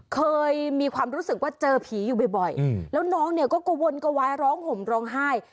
เคยมีความรู้สึกว่าเจอผีอยู่บ่อยแล้วน้องเนี่ยก็กระวนกระวายร้องห่มร้องไห้